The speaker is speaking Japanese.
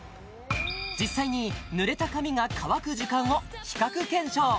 実際に濡れた髪が乾く時間を比較検証